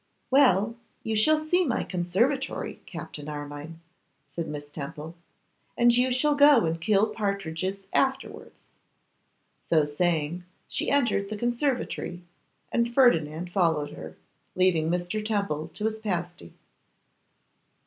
'Well, you shall see my conservatory, Captain Armine,' said Miss Temple, 'and you shall go and kill partridges afterwards.' So saying, she entered the conservatory, and Ferdinand followed her, leaving Mr. Temple to his pasty.